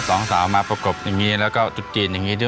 โอ้โหสองสาวมาประกบอย่างงี้แล้วก็ตุ๊กกลีนอย่างงี้